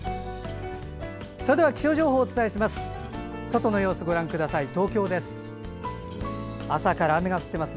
それでは気象情報をお伝えします。